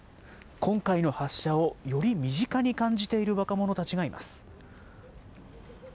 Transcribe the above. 今回の発射を、より身近に感じている若者たちがいます。